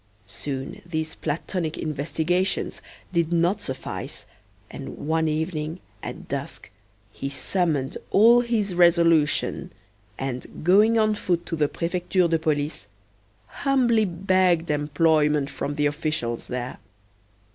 Soon these platonic investigations did not suffice, and one evening, at dusk, he summoned all his resolution, and, going on foot to the Prefecture de Police, humbly begged employment from the officials there.